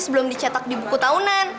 sebelum dicetak di buku tahunan